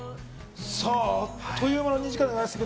あっという間の２時間でした。